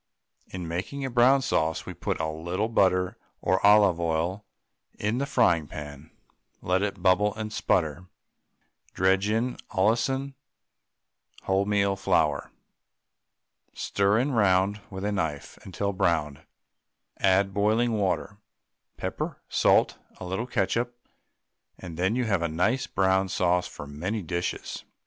In making a brown sauce we put a little butter or olive oil in the frying pan; let it bubble and sputter, dredge in Allinson wholemeal flour, stir it round with a knife until browned, add boiling water, pepper, salt, a little ketchup, and you then have a nice brown sauce for many dishes.